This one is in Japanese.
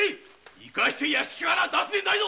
生かして屋敷から出すでないぞ。